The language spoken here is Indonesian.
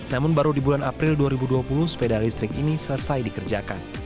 namun baru di bulan april dua ribu dua puluh sepeda listrik ini selesai dikerjakan